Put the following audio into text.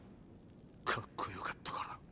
かっこよかったから。